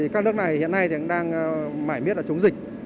các nước này hiện nay cũng đang mãi miết là chống dịch